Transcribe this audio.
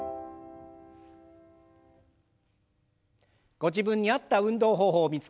ご自分に合った運動方法を見つけ